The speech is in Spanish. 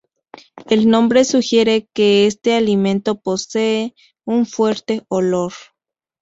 El nombre sugiere que este alimento posee un fuerte olor.